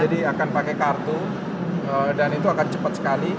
jadi akan pakai kartu dan itu akan cepat sekali